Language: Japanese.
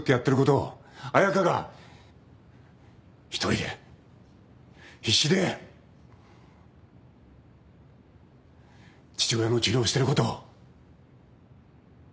彩佳が１人で必死で父親の治療をしてることを！